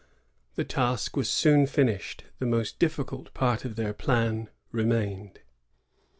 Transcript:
The task was soon finished. The most difficult part of their plan remained.